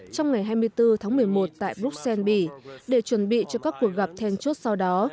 trong ngày hai mươi bốn tháng một mươi một tại bruxelles bỉ để chuẩn bị cho các cuộc gặp then chốt sau đó